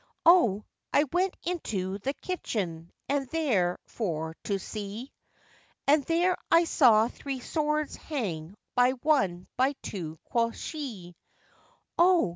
O! I went into the kitchen, and there for to see, And there I saw three swords hang, by one, by two, quoth she; O!